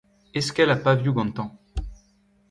Eskell ha pavioù gantañ.